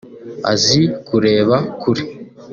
azi kureba kure